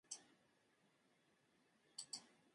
Kyaftin ne yake kula da jirgin ruwa da matukansa.